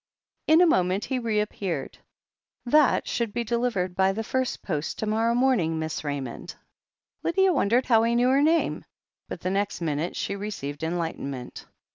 In a moment he reappeared. "That should be delivered by the first post to mor row morning, Miss Raymond." Lydia wondered how he knew her name, but the next minute she received enlightenment.